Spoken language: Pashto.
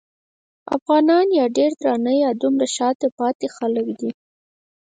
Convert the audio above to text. افغانان یا ډېر درانه یا دومره شاته پاتې خلک دي.